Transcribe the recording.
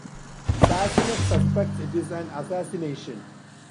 Sassinak suspects it is an assassination.